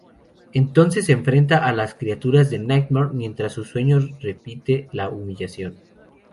Entonces se enfrenta a las criaturas de Nightmare mientras su sueño repite la humillación.